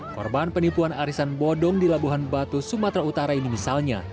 korban penipuan arisan bodong di labuhan batu sumatera utara ini misalnya